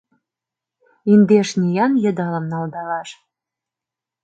Индеш ниян йыдалым налдалаш